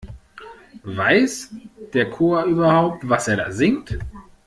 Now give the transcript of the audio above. Weiß der Chor überhaupt, was er da singt?